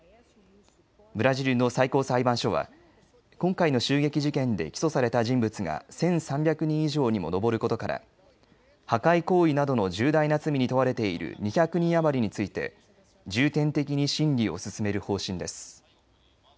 ブラジルの最高裁判所は今回の襲撃事件で起訴された人物が１３００人以上にも上ることから破壊行為などの重大な罪に問われている２００人余りについて重点的に審理を進める方針です。